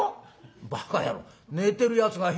「ばか野郎寝てるやつが返事するか」。